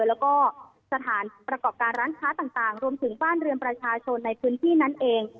แล้วก็สถานประกอบการร้านค้าต่างรวมถึงบ้านเรือนประชาชนในพื้นที่นั้นเอง